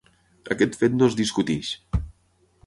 Aquest fet no es discuteix.